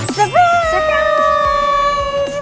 สวัสดี